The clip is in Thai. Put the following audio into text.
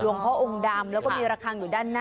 พ่อองค์ดำแล้วก็มีระคังอยู่ด้านหน้า